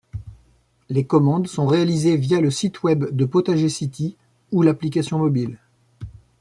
Les commandes sont réalisées via le site web de Potager City ou l'application mobile.